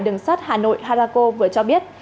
đường sắt hà nội harako vừa cho biết